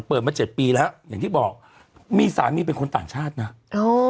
เปิดมาเจ็ดปีแล้วอย่างที่บอกมีสามีเป็นคนต่างชาตินะโอ้